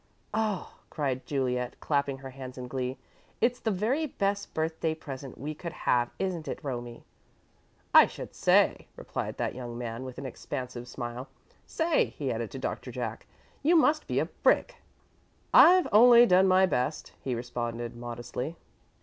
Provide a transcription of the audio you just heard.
"Oh," cried Juliet, clapping her hands in glee. "It's the very best birthday present we could have, isn't it, Romie?" "I should say," replied that young man, with an expansive smile. "Say," he added to Doctor Jack, "you must be a brick." "I've only done my best," he responded, modestly.